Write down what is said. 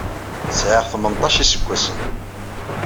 Sɛiɣ tmenṭac n yiseggasen.